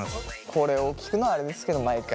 これを聞くのはあれですけど毎回。